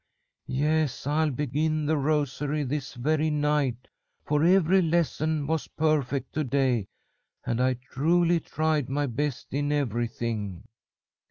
Yes, I'll begin the rosary this very night, for every lesson was perfect to day, and I truly tried my best in everything."